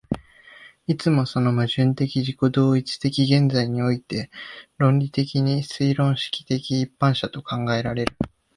いつもその矛盾的自己同一的現在において論理的に推論式的一般者と考えられる。